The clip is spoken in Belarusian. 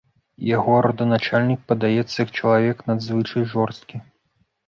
Яго роданачальнік падаецца як чалавек надзвычай жорсткі.